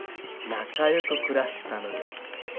仲よく暮らしてたのです。